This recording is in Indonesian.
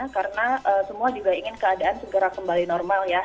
karena semua juga ingin keadaan segera kembali normal ya